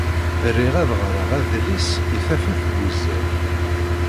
Riɣ ad ɣreɣ adlis i tafat n uzal.